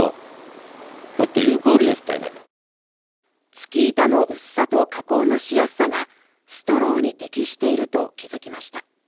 ツキ板の薄さと加工のしやすさがストローに適していると気付きました。